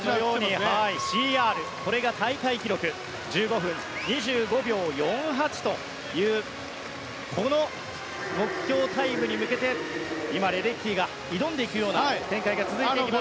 ＣＲが大会記録１５分２５秒４８というこの目標タイムに向けて今、レデッキーが挑んでいく展開が続いています。